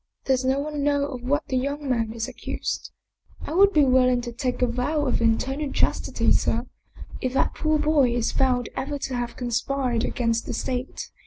" Does no one know of what the young man is ac cused?" " I would be willing to take a vow of eternal chastity, sir, if that poor boy is found ever to have conspired against the State.